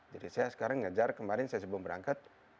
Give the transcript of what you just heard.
jadi saya sekarang ngejar kemarin sebelum saya berangkat